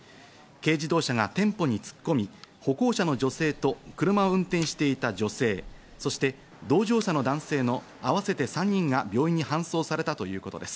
軽自動車が店舗に突っ込み、歩行者の女性と車を運転していた女性、そして同乗者の男性の合わせて３人が病院に搬送されたということです。